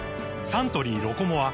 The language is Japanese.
サントリー「ロコモア」